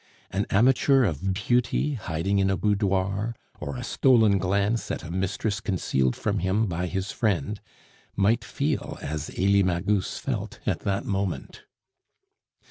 An amateur of beauty hiding in a boudoir or a stolen glance at a mistress concealed from him by his friend might feel as Elie Magus felt at that moment.